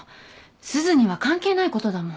すずには関係ないことだもん。